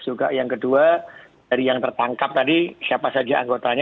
juga yang kedua dari yang tertangkap tadi siapa saja anggotanya